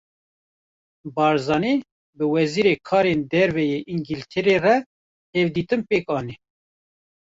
Barzanî, bi Wezîrê Karên Derve yê Îngîltereyê re hevdîtin pêk anî